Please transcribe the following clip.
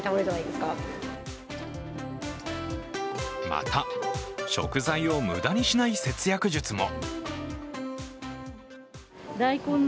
また、食材を無駄にしない節約術も。